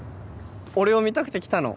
俺を見たくて来たの？